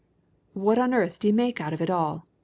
"What on earth d'ye make out of it all?"